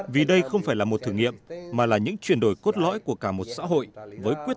vì đây không phải là một thử nghiệm mà là những chuyển đổi cốt lõi của cả một xã hội